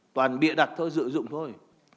toàn bịa đặt thôi dự dụng thôi